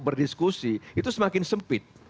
berdiskusi itu semakin sempit